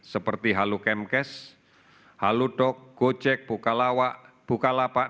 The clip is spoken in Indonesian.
seperti halukamkes haludok gojek bukalapak